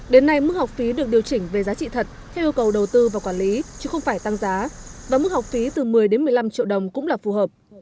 đến nay mức học phí được điều chỉnh về giá trị thật theo yêu cầu đầu tư và quản lý chứ không phải tăng giá và mức học phí từ một mươi đến một mươi năm triệu đồng cũng là phù hợp